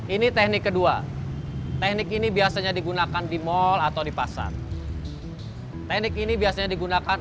ini teknik kedua teknik ini biasanya digunakan di mal atau di pasar teknik ini biasanya digunakan